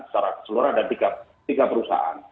secara keseluruhan ada tiga perusahaan